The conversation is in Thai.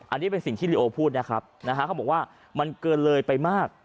อันนี้เป็นสิ่งที่ลิโอพูดนะครับนะฮะเขาบอกว่ามันเกินเลยไปมาก